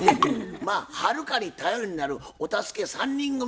まあはるかに頼りになるお助け３人組